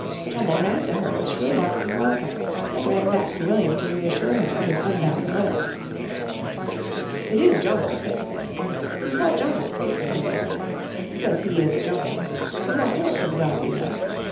Jumble ran to her with shrill barks of welcome, then ran back to William to reassure him of his undying loyalty. "It is Jumble," said the man. "He's called Jumble," he explained to William, "because he is a jumble. He's all sorts of a dog, you know.